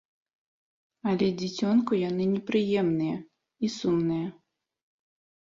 Але дзіцёнку яны не прыемныя і сумныя.